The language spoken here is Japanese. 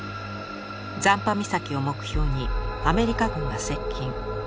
残波岬を目標にアメリカ軍が接近。